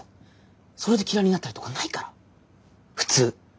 それで嫌いになったりとかないから普通。